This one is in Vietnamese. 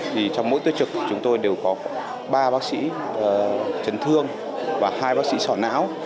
thì trong mỗi tiết trực chúng tôi đều có ba bác sĩ chấn thương và hai bác sĩ sỏ não